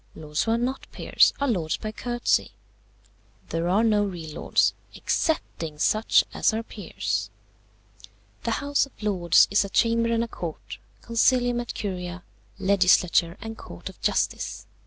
Lords who are not peers are lords by courtesy: there are no real lords, excepting such as are peers. "The House of Lords is a chamber and a court, Concilium et Curia, legislature and court of justice.